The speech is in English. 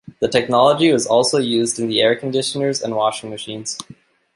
The technology was also used in air conditioners and washing machines.